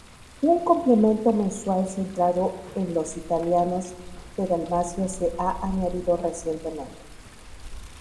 Un complemento mensual centrado en los italianos de Dalmacia se ha añadido recientemente.